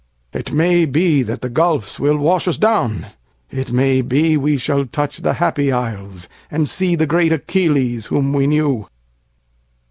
It may be that the gulfs will wash us down:It may be we shall touch the Happy Isles, And see the great Achilles, whom we knew.